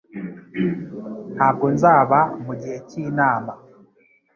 Ntabwo nzaba mugihe cyinama